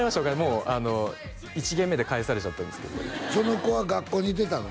もう１限目で帰されちゃったんですけどその子は学校にいてたの？